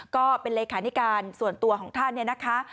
ก็เป็นเลขานิการส่วนตัวของท่านเนี่ยนะคะ